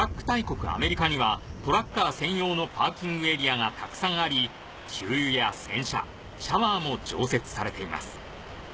大国アメリカにはトラッカー専用のパーキングエリアがたくさんあり給油や洗車シャワーも常設されています